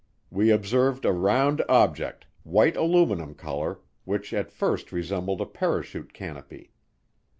We observed a round object, white aluminum color, which at first resembled a parachute canopy.